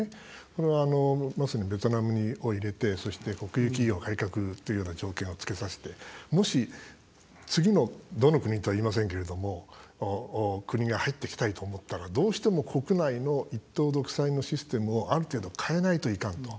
これは、まさにベトナムを入れてそして国有企業改革というような条件をつけさせて、もし、次のどの国とはいいませんけれども国が入ってきたいと思ったらどうしても、国内の一党独裁のシステムをある程度、変えないといかんと。